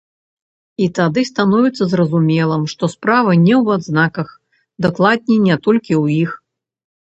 І тады становіцца зразумелым, што справа не ў адзнаках, дакладней не толькі ў іх.